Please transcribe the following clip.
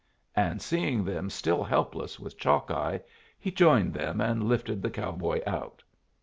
And seeing them still helpless with Chalkeye, he joined them and lifted the cow boy out.